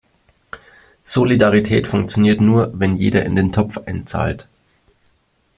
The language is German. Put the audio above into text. Solidarität funktioniert nur, wenn jeder in den Topf einzahlt.